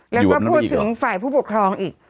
แล้วก็พูดถึงฝ่ายผู้ปกครองอีก